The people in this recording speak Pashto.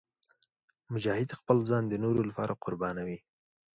مجاهد خپل ځان د نورو لپاره قربانوي.